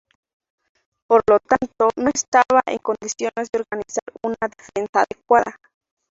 Por lo tanto, no estaba en condiciones de organizar una defensa adecuada.